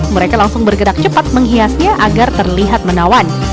mereka langsung bergerak cepat menghiasnya agar terlihat menawan